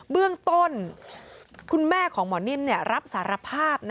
เบื้องต้นคุณแม่ของหมอนิ่มรับสารภาพ